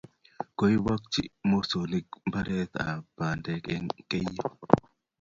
Koibokchi mosonik mbaret ab pandek eng' keiyo